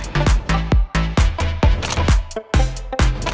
sampai jumpa di video selanjutnya